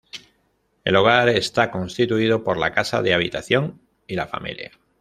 El hogar está constituido por la casa de habitación y la familia.